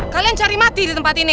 kalian cari mati di tempat ini